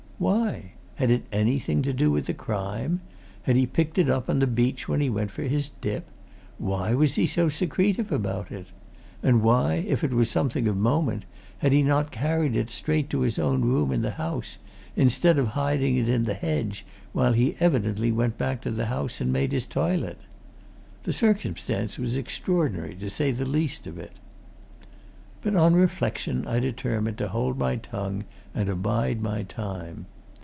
Why? Had it anything to do with the crime? Had he picked it up on the beach when he went for his dip? Why was he so secretive about it? And why, if it was something of moment, had he not carried it straight to his own room in the house, instead of hiding it in the hedge while he evidently went back to the house and made his toilet? The circumstance was extraordinary, to say the least of it. But on reflection I determined to hold my tongue and abide my time.